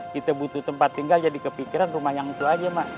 kita butuh tempat tinggal jadi kepikiran rumah yang itu aja mak